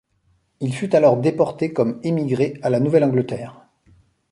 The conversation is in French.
Il fut alors déporté comme émigré à la Nouvelle-Angleterre.